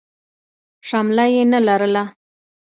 شمله يې نه لرله.